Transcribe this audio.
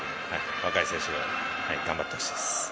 若い選手が頑張ってほしいです。